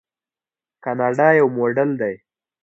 کاناډا یو موډل دی.